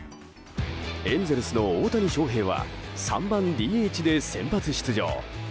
エンゼルスの大谷翔平は３番ＤＨで先発出場。